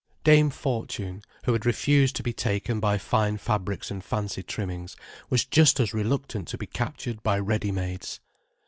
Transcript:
Dame Fortune, who had refused to be taken by fine fabrics and fancy trimmings, was just as reluctant to be captured by ready mades.